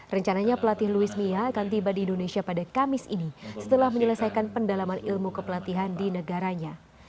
rencananya pelatih luis mia akan tiba di indonesia pada kamis ini setelah menyelesaikan pendalaman ilmu kepelatihan di negaranya